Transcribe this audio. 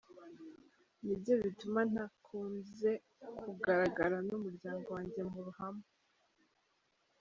Nibyo bituma ntakunze kugaragara n’umuryango wanjye mu ruhame”.